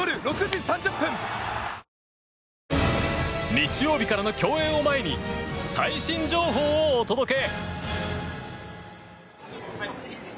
日曜日からの競泳を前に最新情報をお届け。